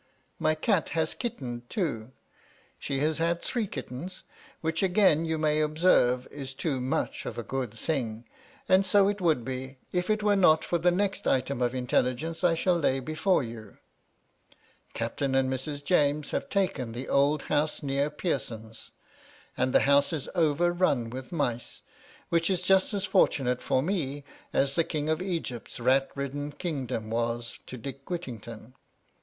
My cat has * kittened, too ; she has had three kittens, which again ' you may observe is too much of a good thing ; and so ' it would be, if it were not for the next item of intel Migence I shall lay before you. Captain and Mrs. ' James have taken the old house next Pearson's ; and *the house is overrun with mice, which is just as * fortunate for me as the King of Egypt's rat ridden 'kingdom was to Dick Whittington.